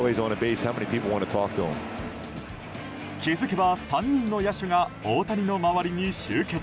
気づけば、３人の野手が大谷の周りに集結。